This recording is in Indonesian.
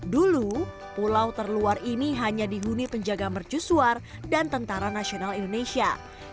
dulu pulau terluar ini hanya dihuni penjaga mercusuar dan tentara nasional indonesia